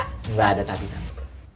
tapi pak gak ada tapi tapi